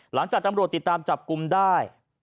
หลังจากตำรวจติดตามจับกลุ่มได้